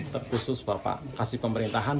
terkhusus bapak kasih pemerintahan